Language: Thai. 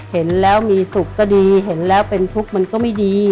เห็นแล้วมีสุขก็ดีเห็นแล้วเป็นทุกข์มันก็ไม่ดี